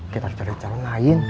kita harus cari jalan lain